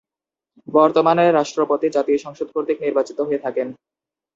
বর্তমানে রাষ্ট্রপতি জাতীয় সংসদ কর্তৃক নির্বাচিত হয়ে থাকেন।